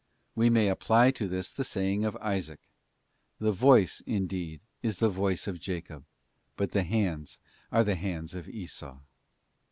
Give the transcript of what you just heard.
We may apply to this the saying of Isaac, ' The voice, indeed, is the voice of Jacob; but the hands are the hands of Esau.